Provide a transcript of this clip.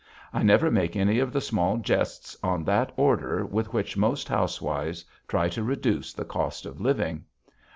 I never make any of the small jests on that order, with which most housewives try to reduce the cost of living.